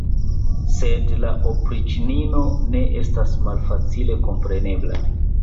Sed la opriĉnino ne estas malfacile komprenebla.